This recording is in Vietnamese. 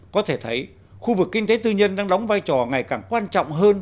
có thể thấy khu vực kinh tế tư nhân đang đóng vai trò ngày càng quan trọng hơn